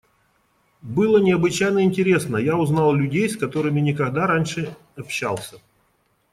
Было необычайно интересно: я узнал людей, с которыми никогда раньше общался.